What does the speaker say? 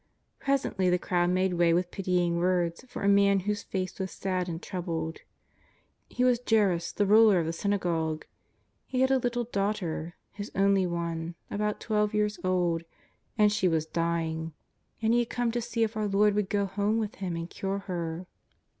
Presently the crowd made way with pitying words for a man whose face was sad and troubled. He was Jairus, the ruler of the synagogue. He had a little daughter, his only one, about twelve years old, and she was dying, and he had come to see if our Lord would go home with him and cure her.